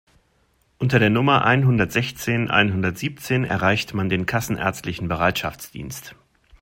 Unter der Nummer einhundertsechzehn einhundertsiebzehn erreicht man den kassenärztlichen Bereitschaftsdienst.